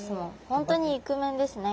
本当にイクメンですね。